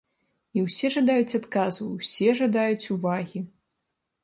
І ўсе жадаюць адказу, усе жадаюць увагі.